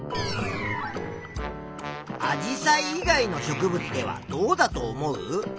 アジサイ以外の植物ではどうだと思う？